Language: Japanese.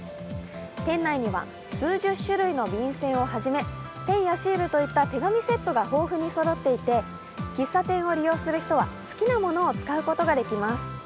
店内には数十種類の便せんをはじめ、ペンやシールといった手紙セットが豊富にそろっていて喫茶店を利用する人は好きなものを使うことができます。